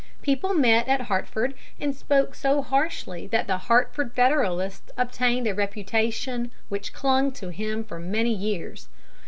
People met at Hartford and spoke so harshly that the Hartford Federalist obtained a reputation which clung to him for many years.